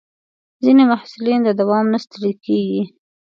ځینې محصلین د دوام نه ستړي کېږي.